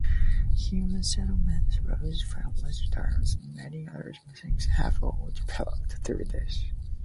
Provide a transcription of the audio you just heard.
Human settlements, roads, farmlands, dams and many other things have all developed through this.